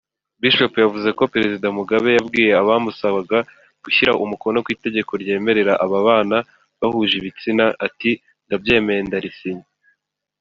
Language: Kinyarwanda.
Bishop yavuze ko ‘Perezida Mugabe yabwiye abamusabaga gushyira umukono kwitegeko ryemerera ababana bahuje ibitsina ati “Ndabyemeye ndarisinya